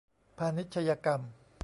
พาณิชยกรรม